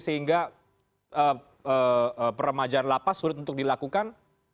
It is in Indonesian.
sehingga peremajaan lapas surut untuk dilakukan